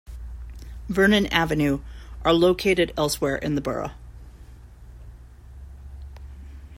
Vernon Avenue are located elsewhere in the borough.